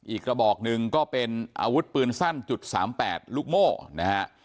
กระบอกหนึ่งก็เป็นอาวุธปืนสั้น๓๘ลูกโม่นะฮะ